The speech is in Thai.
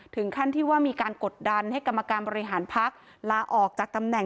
ถึงขั้นที่ว่ามีการกดดันให้กรรมการบริหารพักลาออกจากตำแหน่ง